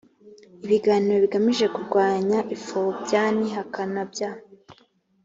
ibiganiro bigamije kurwanya ipfobya n ihakana bya